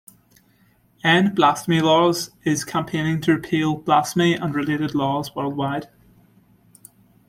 End Blasphemy Laws is "campaigning to repeal "blasphemy" and related laws worldwide.